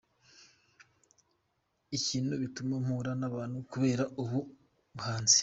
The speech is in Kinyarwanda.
Ikindi bituma mpura n’abantu kubera ubu buhanzi.